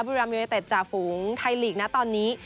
บุรัมยเต็ดจากฝุงไทยลีกนะตอนนี้